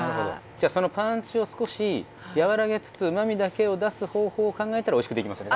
じゃあそのパンチを少し和らげつつうまみだけを出す方法を考えたらおいしくできますよね？